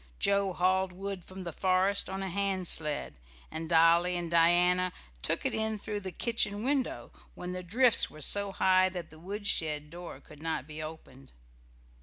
Joe hauled wood from the forest on a hand sled, and Dolly and Diana took it in through the kitchen window when the drifts were so high that the woodshed door could not be opened.